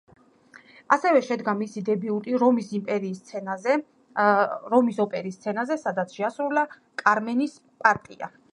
ასევე შედგა მისი დებიუტი რომის ოპერის სცენაზე, სადაც შეასრულა კარმენის პარტია.